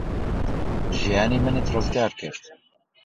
ژیانی منت ڕزگار کرد.